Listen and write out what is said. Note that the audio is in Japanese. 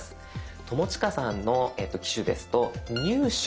友近さんの機種ですと「入手」。